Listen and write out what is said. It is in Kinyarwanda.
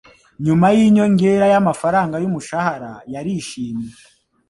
Nyuma y’inyongera y’amafaranga y’umushahara yarishimye